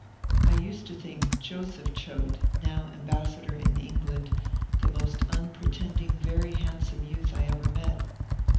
I used to think Joseph Choate (now ambassador in England) the most unpre tending very handsome youth I ever met.